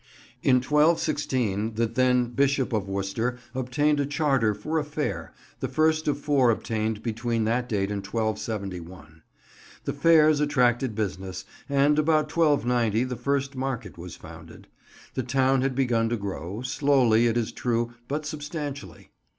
In 1216 the then Bishop of Worcester obtained a charter for a fair, the first of four obtained between that date and 1271. The fairs attracted business, and about 1290 the first market was founded. The town had begun to grow, slowly, it is true, but substantially.